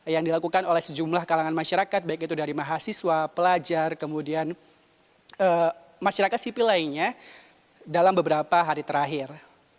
yang dilakukan oleh sejumlah kalangan masyarakat baik itu dari mahasiswa pelajar kemudian masyarakat sipil lainnya dalam beberapa hari terakhir